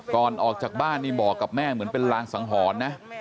ก่อนออกจากบ้านนี่บอกกับแม่เหมือนเป็นรางสังหรณ์นะ